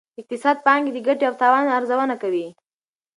اقتصاد د پانګې د ګټې او تاوان ارزونه کوي.